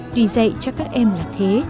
tuy dạy cho các em là thế